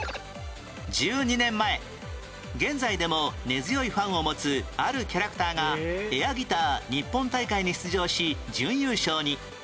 １２年前現在でも根強いファンを持つあるキャラクターがエアギター日本大会に出場し準優勝に